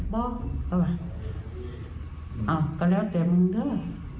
บอกเอาไว้อ้าวก็แล้วแต่มึงด้วย